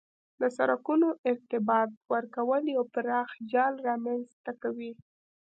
د سرکونو ارتباط ورکول یو پراخ جال رامنځ ته کوي